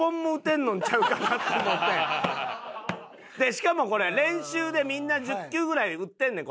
これはでしかもこれ練習でみんな１０球ぐらい打ってんねん